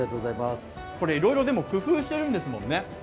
これ、いろいろ工夫してるんですもんね。